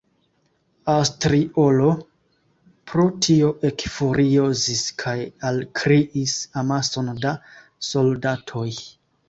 Astriolo pro tio ekfuriozis kaj alkriis amason da soldatoj.